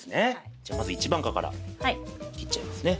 じゃまず一番果から切っちゃいますね。